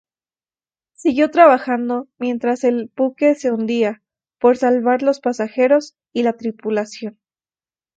Siguió trabajando mientras el buque se hundía, por salvar los pasajeros y la tripulación.